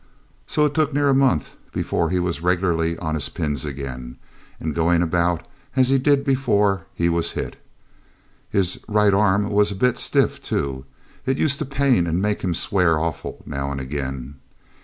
So it took near a month before he was regularly on his pins again, and going about as he did before he was hit. His right arm was a bit stiff, too; it used to pain and make him swear awful now and again.